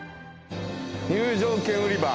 入場券売り場。